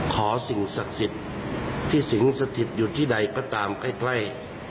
ขอสิ่งศักดิ์สิทธิ์ที่สิ่งศักดิ์สิทธิ์อยู่ที่ใดก็ตามใกล้ใกล้